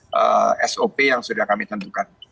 dan sop yang sudah kami tentukan